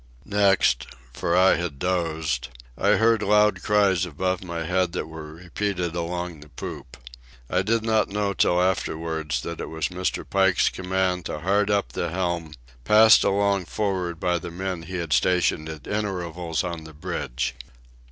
Next—for I had dozed—I heard loud cries above my head that were repeated along the poop. I did not know till afterwards that it was Mr. Pike's command to hard up the helm, passed along from for'ard by the men he had stationed at intervals on the bridge.